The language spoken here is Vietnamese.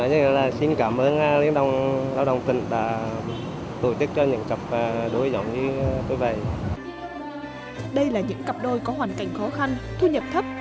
đây là những cặp đôi có hoàn cảnh khó khăn thu nhập thấp